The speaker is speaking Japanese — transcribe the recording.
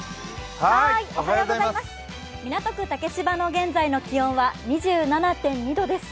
港区竹芝の現在の気温は２７．２度です。